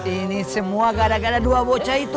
ini semua gada gada dua bocah itu